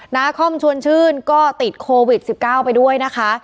นาคอมชวนชื่นก็ติดโควิด๑๙ไปด้วยนะคะ